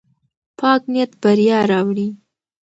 پاک نیت بریا راوړي.